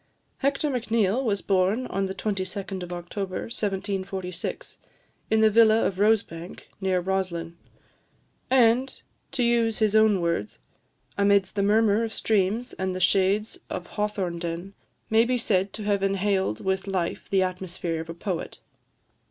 Hector Macneill was born on the 22d of October 1746, in the villa of Rosebank, near Roslin; and, to to use his own words, "amidst the murmur of streams and the shades of Hawthornden, may be said to have inhaled with life the atmosphere of a poet."